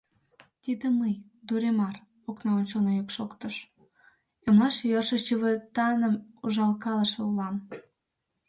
— Тиде мый — Дуремар, — окна ончылно йӱк шоктыш, — эмлаш йӧршӧ чывытаным ужалкалыше улам.